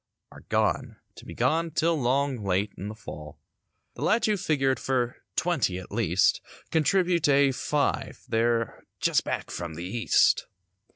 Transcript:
Are gone, to be gone 'till 'long late in the fall. The lads that you figured for "twenty" at least Contribute a "five"—they're "just back from the east."